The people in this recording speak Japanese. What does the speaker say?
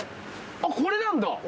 あっこれなんだ。